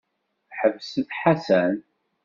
Ḥbset Ḥasan.